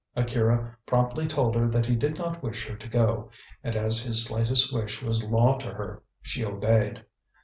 Akira promptly told her that he did not wish her to go, and as his slightest wish was law to her, she obeyed.